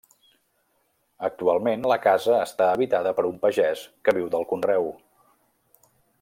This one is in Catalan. Actualment la casa està habitada per un pagès que viu del conreu.